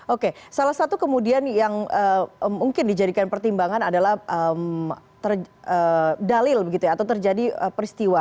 oke salah satu kemudian yang mungkin dijadikan pertimbangan adalah dalil atau terjadi peristiwa